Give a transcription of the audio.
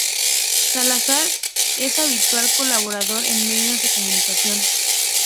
Salazar es habitual colaborador en medios de comunicación.